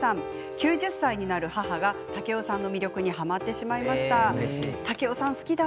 ９０歳になる母が竹雄さんの魅力にはまってしまいました。